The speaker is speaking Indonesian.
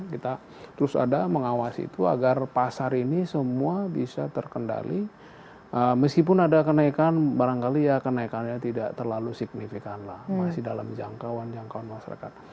kita terus ada mengawasi itu agar pasar ini semua bisa terkendali meskipun ada kenaikan barangkali ya kenaikannya tidak terlalu signifikan lah masih dalam jangkauan jangkauan masyarakat